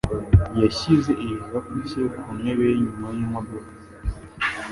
yashyize igikapu cye ku ntebe yinyuma yimodoka.